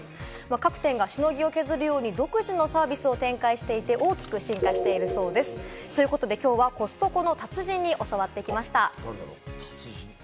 各店がしのぎを削るように独自のサービスを展開していて、大きく進化しているそうです。ということで、きょうはコストコの達人に教わってきました。